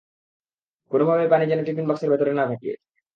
কোনোভাবেই পানি যেন টিফিন বাক্সের ভেতরে না ঢোকে।